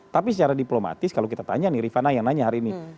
tapi secara diplomatis kalau kita tanya nih rifana yang nanya hari ini